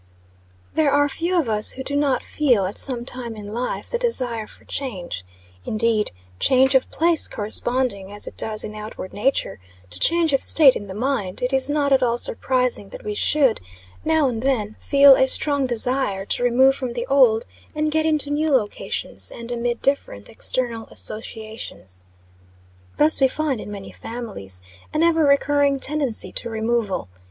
THERE are few of us who do not feel, at some time in life, the desire for change. Indeed, change of place corresponding, as it does, in outward nature, to change of state in the mind, it is not at all surprising that we should, now and then, feel a strong desire to remove from the old, and get into new locations, and amid different external associations. Thus, we find, in many families, an ever recurring tendency to removal.